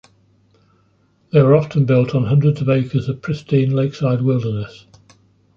They were often built on hundreds of acres of pristine lakeside wilderness.